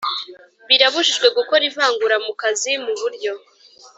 Birabujijwe gukora ivangura mu kazi mu buryo